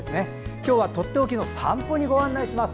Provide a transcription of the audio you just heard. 今日はとっておきの散歩にご案内します。